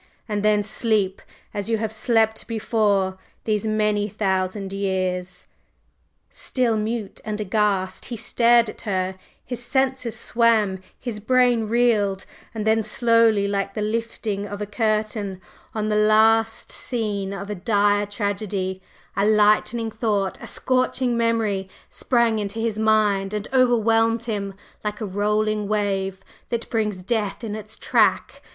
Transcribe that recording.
and then sleep! as you have slept before, these many thousand years!" Still mute and aghast he stared at her; his senses swam, his brain reeled, and then slowly, like the lifting of a curtain on the last scene of a dire tragedy, a lightning thought, a scorching memory, sprang into his mind and overwhelmed him like a rolling wave that brings death in its track.